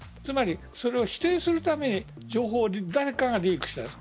つまり否定するために情報を誰かがリークした。